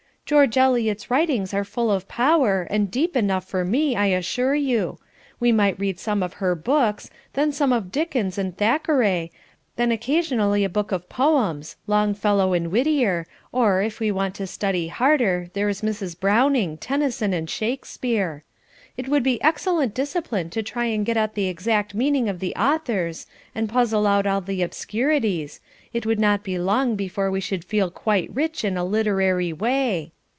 "George Eliot's writings are full of power, and deep enough for me, I assure you. We might read some of her books, then some of Dickens and Thackeray, then occasionally a book of poems; Longfellow and Whittier, or, if we want to study harder, there is Mrs. Browning, Tennyson, and Shakespeare. It would be excellent discipline to try and get at the exact meaning of the authors, and puzzle out all the obscurities, it would not be long before we should feel quite rich in a literary way.